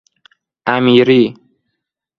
امیری